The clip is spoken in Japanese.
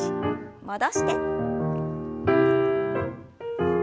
戻して。